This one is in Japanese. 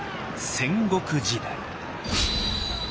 戦国時代。